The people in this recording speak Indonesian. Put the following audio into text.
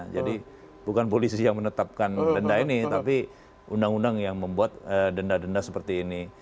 jadi bukan polisi yang menetapkan denda ini tapi undang undang yang membuat denda denda seperti ini